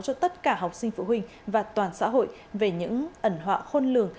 cho tất cả học sinh phụ huynh và toàn xã hội về những ẩn họa khôn lường